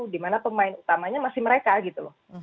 di mana pemain utamanya masih mereka gitu loh